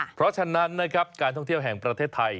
เพราะฉะนั้นนะครับการท่องเที่ยวแห่งประเทศไทย